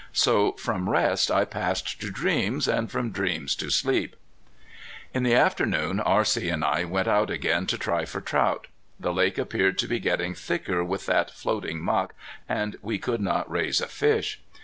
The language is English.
So from rest I passed to dreams and from dreams to sleep. In the afternoon R.C. and I went out again to try for trout. The lake appeared to be getting thicker with that floating muck and we could not raise a fish.